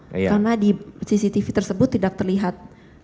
karena di cctv tersebut tidak terlihat